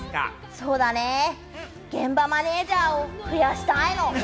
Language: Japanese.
そうだね、現場マネジャーを増やしたいの。